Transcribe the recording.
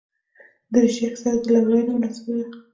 دریشي اکثره د لورینو مناسبو ده.